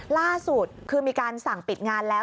ล่าสุดคือมีการสั่งปิดงานแล้ว